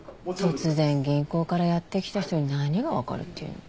突然銀行からやって来た人に何が分かるっていうのよ。